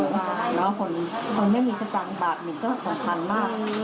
แล้วคนไม่มีสตางค์บาทหนึ่งก็สำคัญมาก